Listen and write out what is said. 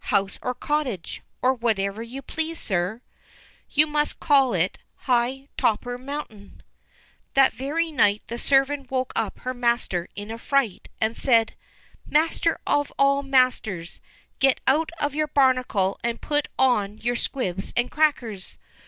"House or cottage, or whatever you please, sir." "You must call it 'high topper mountain.'" That very night the servant woke her master up in a fright and said: "Master of all Masters, get out of your barnacle and put on your squibs and crackers.